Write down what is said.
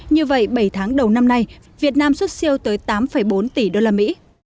như vậy bảy tháng đầu năm nay việt nam xuất siêu tới tám bốn tỷ đô la mỹ